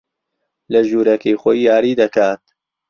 لە ژوورەکەی خۆی یاری دەکات.